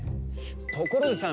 ところでさ